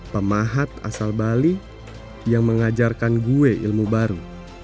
pemahat asal bali yang mengajarkan gue ilmu baru